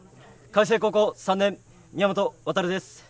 海星高校３年宮本航です。